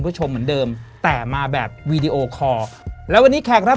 ชมเหมือนเดิมแต่มาแบบวีดีโอคอร์แล้ววันนี้แขกรับ